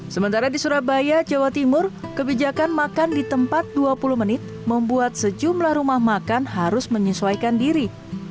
sementara di surabaya jawa timur kebijakan makan di tempat dua puluh menit membuat sejumlah rumah makan harus menyesuaikan diri